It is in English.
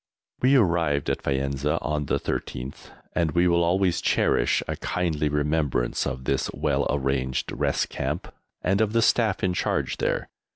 We arrived at Faenza on the 13th, and we will always cherish a kindly remembrance of this well arranged Rest Camp, and of the Staff in charge there.